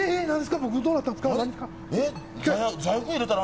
何ですの？